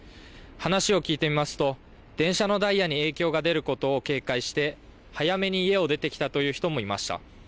話を聞いてみますと、電車のダイヤに影響が出ることを警戒して、早めに家を出てきたという人もいました。